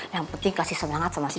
yang penting kasih semangat sama sih